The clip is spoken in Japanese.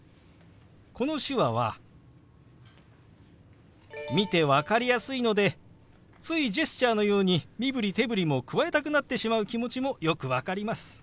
この手話は見て分かりやすいのでついジェスチャーのように身振り手振りも加えたくなってしまう気持ちもよく分かります。